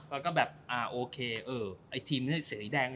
แล้วก็แบบโอเคไอทีมนี้เสรีดงริย์ดัง